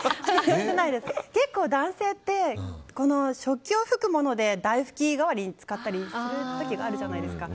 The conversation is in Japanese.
結構、男性って食器を拭くもので台拭き代わりに使ったりする時があるじゃないですか。